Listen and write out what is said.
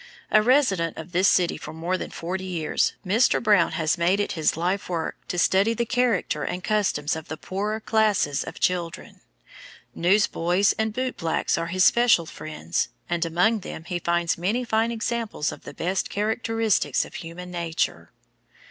A resident of this city for more than forty years, Mr. Brown has made it his life work to study the character and customs of the poorer classes of children. Newsboys and boot blacks are his special friends, and among them he finds many fine examples of the best characteristics of human nature.